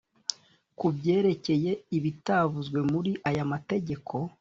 kubyerekeye ibitavuzwe muri aya mategeko